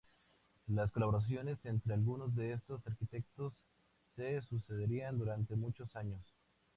Las colaboraciones entre algunos de estos arquitectos se sucederían durante muchos años.